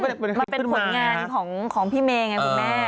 มันเป็นผลงานของพี่เมย์ไงคุณแม่